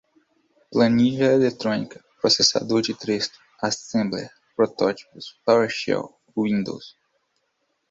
planilha eletrônica, processador de texto, assembler, protótipos, powershell, windows